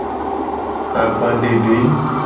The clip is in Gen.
Agbadede.